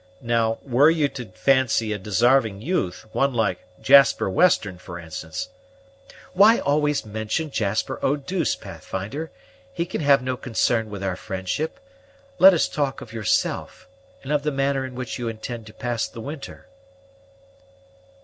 Now, were you to fancy a desarving youth, one like Jasper Western, for instance " "Why always mention Jasper Eau douce, Pathfinder? he can have no concern with our friendship; let us talk of yourself, and of the manner in which you intend to pass the winter."